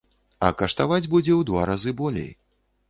А каштаваць будзе ў два разы болей.